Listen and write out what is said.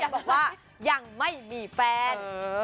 บอกว่ายังไม่มีแฟน